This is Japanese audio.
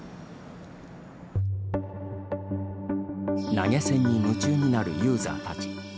投げ銭に夢中になるユーザーたち。